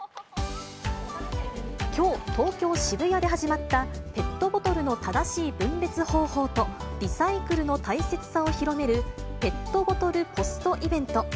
きょう、東京・渋谷で始まった、ペットボトルの正しい分別方法とリサイクルの大切さを広める、ペットボトルポストイベント。